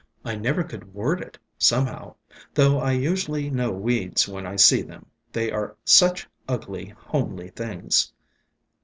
"I never could word it, somehow, though I usually know weeds when I see them. They are such ugly, homely things."